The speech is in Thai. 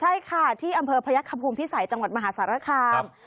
ใช่ค่ะที่อำเภอพระยักษ์คภูมิภิสัยจังหวัดมหาศาสตร์ระคราม